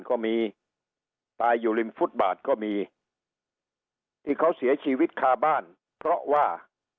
ก็มีตายอยู่ริมฟุตบาทก็มีที่เขาเสียชีวิตคาบ้านเพราะว่า